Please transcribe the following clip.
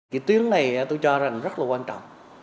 cái tuyến này tôi cho rằng rất là quan trọng